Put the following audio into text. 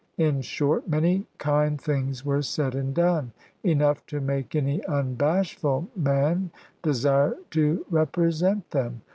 In short, many kind things were said and done; enough to make any unbashful man desire to represent them.